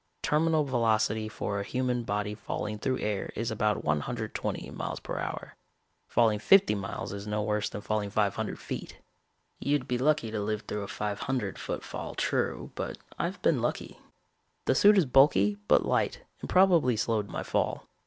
Terminal velocity for a human body falling through air is about one hundred twenty m.p.h. Falling fifty miles is no worse than falling five hundred feet. You'd be lucky to live through a five hundred foot fall, true, but I've been lucky. The suit is bulky but light and probably slowed my fall.